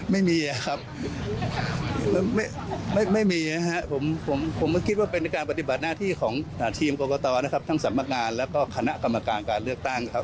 ไม่มีครับไม่มีนะครับผมก็คิดว่าเป็นการปฏิบัติหน้าที่ของทีมกรกตนะครับทั้งสำนักงานแล้วก็คณะกรรมการการเลือกตั้งครับ